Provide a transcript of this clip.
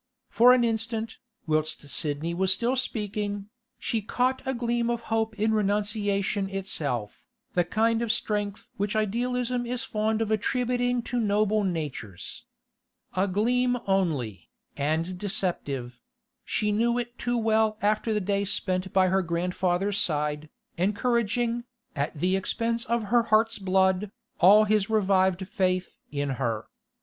For an instant, whilst Sidney was still speaking, she caught a gleam of hope in renunciation itself, the kind of strength which idealism is fond of attributing to noble natures. A gleam only, and deceptive; she knew it too well after the day spent by her grandfather's side, encouraging, at the expense of her heart's blood, all his revived faith in her.